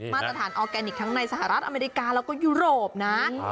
มาตรฐานออร์แกนิคทั้งในสหรัฐอเมริกาแล้วก็ยุโรปนะ